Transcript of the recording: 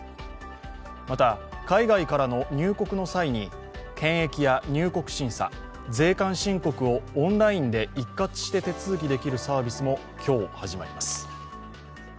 また、海外からの入国の際に検疫や入国審査、税関申告をオンラインで一括して手続きできるサービスも今日始まります。